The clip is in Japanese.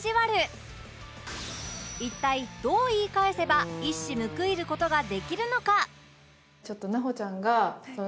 一体どう言い返せば一矢報いる事ができるのか？